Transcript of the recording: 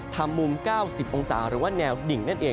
มุม๙๐องศาหรือว่าแนวดิ่งนั่นเอง